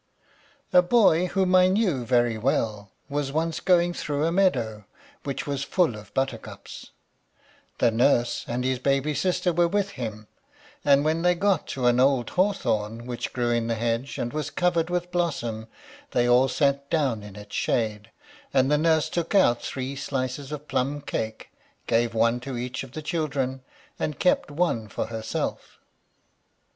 A boy, whom I knew very well, was once going through a meadow, which was full of buttercups. The nurse and his baby sister were with him; and when they got to an old hawthorn, which grew in the hedge and was covered with blossom, they all sat down in its shade, and the nurse took out three slices of plum cake, gave one to each of the children, and kept one for herself.